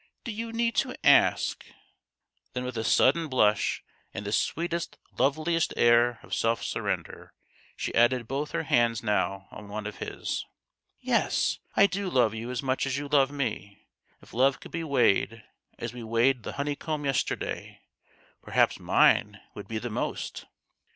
" Do you need to ask ?" Then with a sudden blush and the sweetest, loveliest air of self surrender, she added both her hands now on one of his :" Yes, I do love you as much as you love me. If love could be weighed, as we weighed the honeycomb yester day, perhaps mine would be the most